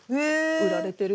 売られてるので。